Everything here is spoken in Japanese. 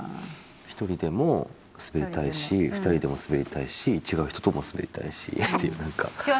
１人でも滑りたいし２人でも滑りたいし違う人とも滑りたいしっていうなんか。